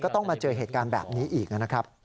ต้องมาเจอเหตุการณ์แบบนี้อีกนะครับ